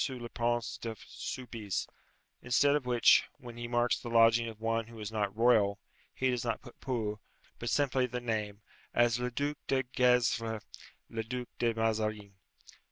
le Prince de Soubise;' instead of which, when he marks the lodging of one who is not royal, he does not put pour, but simply the name as, 'Le Duc de Gesvres, le Duc de Mazarin.'"